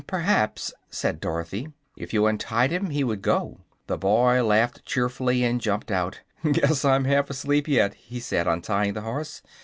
"Perhaps," said Dorothy, "if you untied him, he would go." The boy laughed cheerfully and jumped out. "Guess I'm half asleep yet," he said, untying the horse.